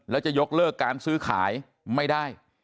แล้วจะยกเลิกการซื้อขายไม่ได้